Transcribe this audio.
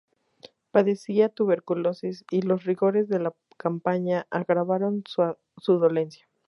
Padecía tuberculosis y los rigores de la campaña agravaron su dolencia.